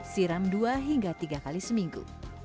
siram dua hingga tiga kali seminggu